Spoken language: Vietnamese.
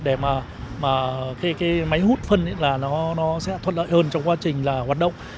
để mà cái máy hút phân là nó sẽ thuận lợi hơn trong quá trình là hoạt động